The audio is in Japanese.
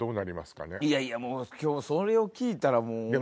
いやいやそれを聞いたらもう。